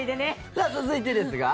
さあ、続いてですが。